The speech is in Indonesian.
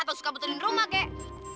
atau suka betulin rumah kek